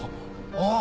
ああ